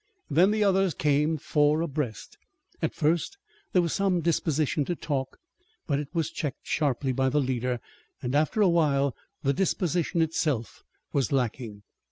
Then the others came four abreast. At first there was some disposition to talk, but it was checked sharply by the leader, and after a while the disposition itself was lacking.